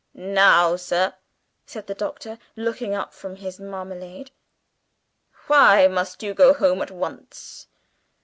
"Now, sir," said the Doctor, looking up from his marmalade, "why must you go home at once?"